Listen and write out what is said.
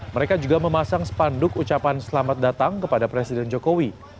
mereka juga memasang spanduk ucapan selamat datang kepada presiden jokowi